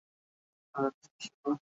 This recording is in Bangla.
হাঁটাহাঁটি প্রায় শেষ হলো।